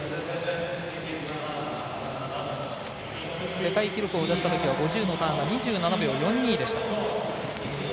世界記録を出したときは５０のターンが２７秒７２でした。